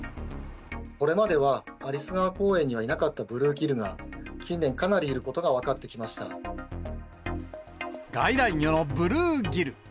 これまでは、有栖川公園にはいなかったブルーギルが、近年、かなりいることが外来魚のブルーギル。